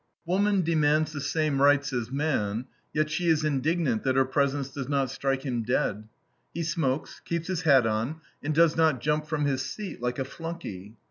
Woman demands the same rights as man, yet she is indignant that her presence does not strike him dead: he smokes, keeps his hat on, and does not jump from his seat like a flunkey.